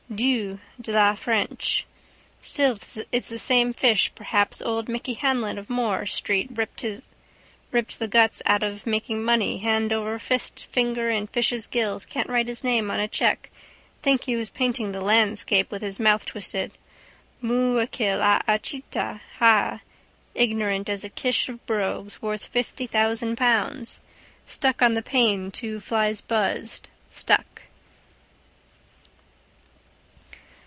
Du de la is French. Still it's the same fish perhaps old Micky Hanlon of Moore street ripped the guts out of making money hand over fist finger in fishes' gills can't write his name on a cheque think he was painting the landscape with his mouth twisted. Moooikill A Aitcha Ha ignorant as a kish of brogues, worth fifty thousand pounds. Stuck on the pane two flies buzzed, stuck.